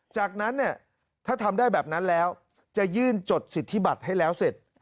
จากนั้นเนี่ยถ้าทำได้แบบนั้นแล้วจะยื่นจดสิทธิบัตรให้แล้วเสร็จ